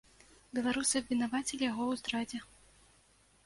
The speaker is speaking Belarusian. Беларусы абвінавацілі яго ў здрадзе.